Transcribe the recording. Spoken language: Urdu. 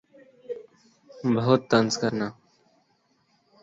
بَہُت طنز کرنا